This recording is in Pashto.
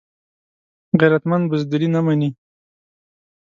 غیرتمند بزدلي نه مني